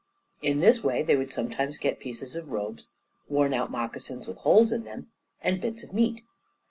In this way they would sometimes get pieces of robes, wornout moccasins with holes in them, and bits of meat.